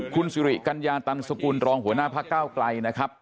คุณสิริกัญญาตันสกุลรองหัวหน้าพักเก้าไกลนะครับ